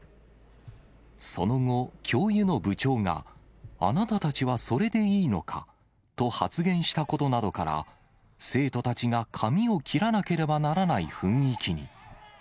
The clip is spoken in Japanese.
その後、教諭の部長が、あなたたちはそれでいいのかと発言したことなどから、生徒たちが髪を切らなければならない雰囲気に。